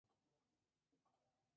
Loreto fue uno de sus municipios.